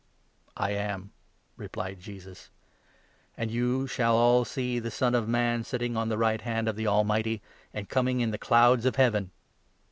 "I am," replied Jesus, "and you shall all see the Son of Man sitting on the right hand of the Almighty ; and ' coming in the clouds of heaven'."